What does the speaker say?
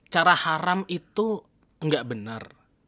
cara haram itu nggak benar